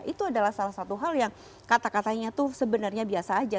itu adalah salah satu hal yang kata katanya itu sebenarnya biasa aja